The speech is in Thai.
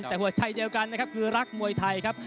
แต่หัวชัยเดียวกันคือรักมวยไทยครับ